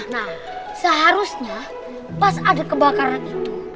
nah seharusnya pas ada kebakaran itu